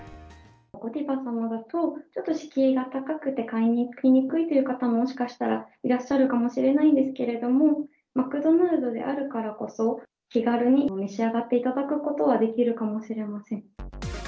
ゴディバ様だと、ちょっと敷居が高くて買いに行きにくいという方も、もしかしたらいらっしゃるかもしれないんですけれども、マクドナルドであるからこそ、気軽に、お召し上がっていただくことはできるかもしれません。